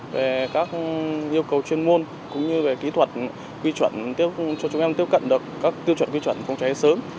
về các yêu cầu chuyên môn cũng như về kỹ thuật quy chuẩn cho chúng em tiếp cận được các tiêu chuẩn quy chuẩn phòng cháy sớm